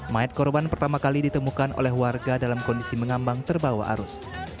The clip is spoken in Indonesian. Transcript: mayat korban pertama kali ditemukan oleh warga dalam kondisi mengambang terbawa arus